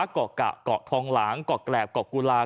กรกกะกรกพองหลางกรกแกหกกรกกุรา